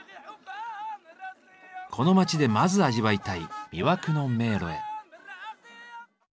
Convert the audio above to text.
この町でまず味わいたい「魅惑の迷路」へ。